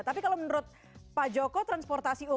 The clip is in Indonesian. tapi kalau menurut pak joko transportasi umum